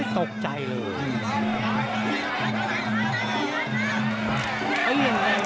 ตกใจเลย